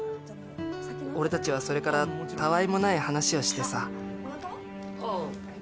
俺達はそれからたわいもない話をしてさ